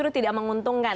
cukup tidak menguntungkan